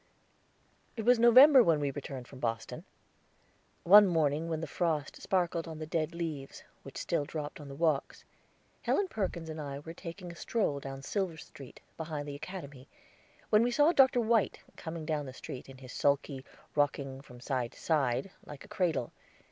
It was November when we returned from Boston. One morning when the frost sparkled on the dead leaves, which still dropped on the walks, Helen Perkins and I were taking a stroll down Silver Street, behind the Academy, when we saw Dr. White coming down the street in his sulky, rocking from side to side like a cradle.